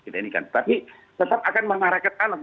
tapi tetap akan mengarah ke alam